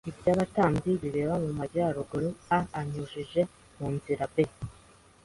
by abatambyi bireba mu majyaruguru a anyujije mu nzira b